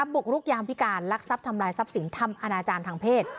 บุกรุกยามพิการลักทรัพย์ทำลายทรัพย์สินทำอนาจารย์ทางเพศ